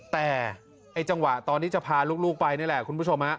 แต่ไอ้จังหวะตอนที่จะพาลูกไปนี่แหละคุณผู้ชม